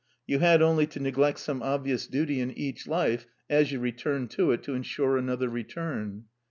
You had only to neglect some ob vious duty in each life as you returned to it to ensure another return.